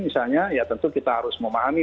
misalnya ya tentu kita harus memahami